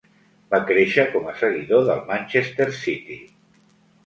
Va créixer com a seguidor del Manchester City.